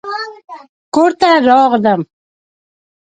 کور ته راغلم